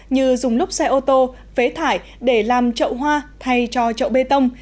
như dùng lốp xe ô tô phế thải để làm trậu hoa thay cho chậu bê tông